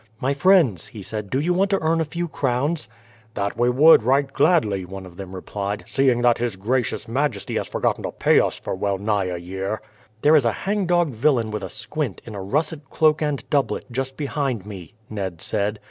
"My friends," he said, "do you want to earn a few crowns?" "That would we right gladly," one of them replied, "seeing that His Gracious Majesty has forgotten to pay us for well nigh a year." "There is a hang dog villain with a squint, in a russet cloak and doublet, just behind me." Ned said.